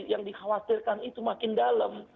yang dikhawatirkan itu makin dalam